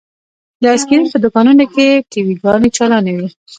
د ايسکريم په دوکانونو کښې ټي وي ګانې چالانې وې.